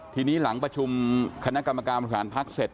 ทีนี้หลังประชุมคณะกรรมการบริหารพักเสร็จ